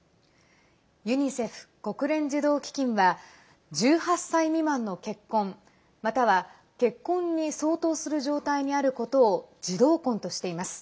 ユニセフ＝国連児童基金は１８歳未満の結婚または結婚に相当する状態にあることを児童婚としています。